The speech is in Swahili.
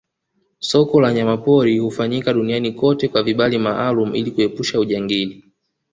Soko la nyama pori hufanyika Duniani kote kwa vibali maalumu ili kuepusha ujangili